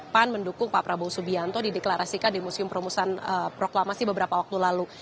pan mendukung pak prabowo subianto dideklarasikan di museum perumusan proklamasi beberapa waktu lalu